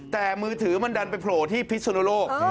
แต่มือถือมันดันไปโผล่ที่พิสุนโลก